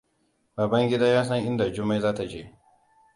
Babangida yasan inda Jummai zata je.